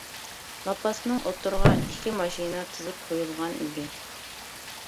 لاپاسنىڭ ئوتتۇرىغا ئىككى ماشىنا تىزىپ قۇيۇلغان ئىدى.